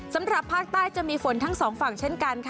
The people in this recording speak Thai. สำหรับภาคใต้จะมีฝนทั้งสองฝั่งเช่นกันค่ะ